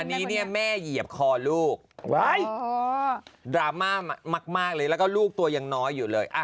อันนี้แม่เหยียบคอลูกดราม่ามากและลูกตัวยังน้อยอยู่เลย